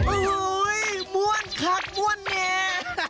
อู๊ยมวนครับมว่นแน่